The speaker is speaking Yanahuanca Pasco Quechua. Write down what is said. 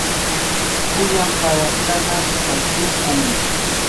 pullan paqas kakash takiykun.